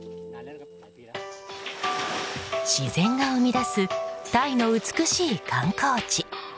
自然が生み出すタイの美しい観光地。